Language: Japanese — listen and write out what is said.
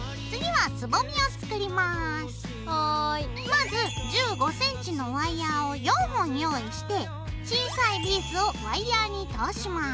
まず１５ｃｍのワイヤーを４本用意して小さいビーズをワイヤーに通します。